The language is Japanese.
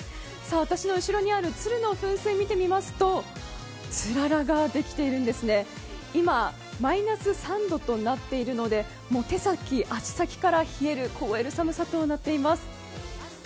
私の後ろにある鶴の噴水を見てみますと、つららができているんです今、マイナス３度となっているので手先、足先から冷える、凍える寒さとなっています。